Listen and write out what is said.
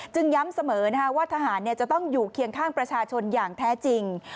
ย้ำเสมอว่าทหารจะต้องอยู่เคียงข้างประชาชนอย่างแท้จริง